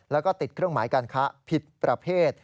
แล้วก็ติดเครื่องหมายการค้าผิดประเภท